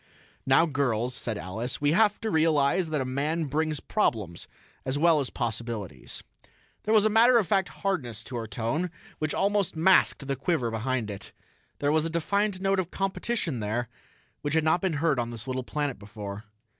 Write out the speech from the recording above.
"Now, girls," said Alice, "we have to realize that a man brings problems, as well as possibilities." There was a matter of fact hardness to her tone which almost masked the quiver behind it. There was a defiant note of competition there which had not been heard on this little planet before.